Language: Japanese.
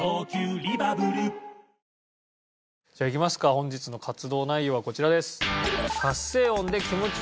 本日の活動内容はこちらです。